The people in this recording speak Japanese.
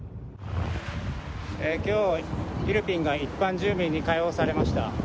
今日はイルピンが一般住民に解放されました。